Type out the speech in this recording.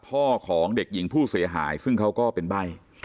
พ่อของเด็กหญิงผู้เสียหายซึ่งเขาก็เป็นใบ้